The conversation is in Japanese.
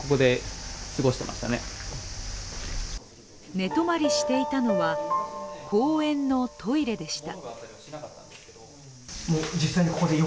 寝泊まりしていたのは公園のトイレでした。